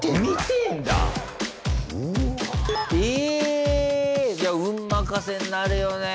ええ！じゃあ運任せになるよね